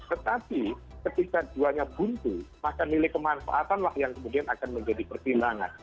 tetapi ketika duanya buntu maka milik kemanfaatan lah yang kemudian akan menjadi pertilangan